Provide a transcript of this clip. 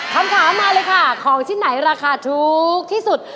คำถามมาเลยค่ะของชิ้นไหนราคาถูกที่สุด